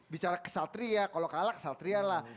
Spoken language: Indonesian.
bicara kesatria kalau kalah kesatria lah